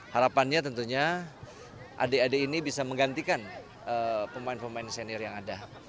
harapannya tentunya adik adik ini bisa menggantikan pemain pemain senior yang ada